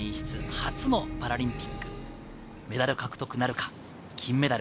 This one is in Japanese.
初のパラリンピック、メダル獲得なるか、金メダル。